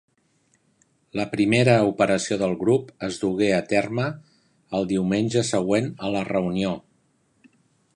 La primera operació del grup es dugué a terme el diumenge següent a la reunió.